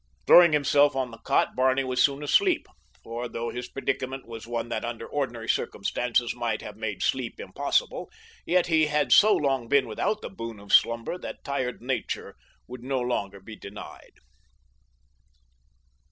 Throwing himself on the cot Barney was soon asleep, for though his predicament was one that, under ordinary circumstances might have made sleep impossible, yet he had so long been without the boon of slumber that tired nature would no longer be denied.